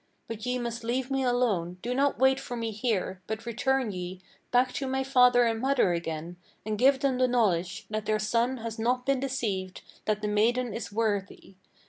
But ye must leave me alone. Do not wait for me here; but return ye Back to my father and mother again, and give them the knowledge That their son has not been deceived, that the maiden is worthy.